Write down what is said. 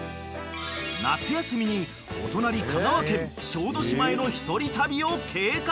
［夏休みにお隣香川県小豆島への一人旅を計画中］